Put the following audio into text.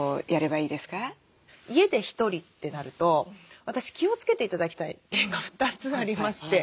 家で１人ってなると私気をつけて頂きたい点が２つありまして